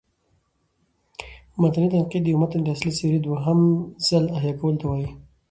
متني تنقید: د یو متن د اصلي څېرې دوهم ځل احیا کولو ته وايي.